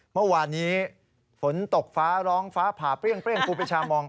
เมื่อวานนี้ฝนตกฟ้าร้องฟ้าผ่าเปรี้ยงครูปีชามอง